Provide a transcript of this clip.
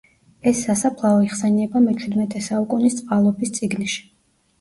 ეს სასაფლაო იხსენიება მეჩვიდმეტე საუკუნის წყალობის წიგნში.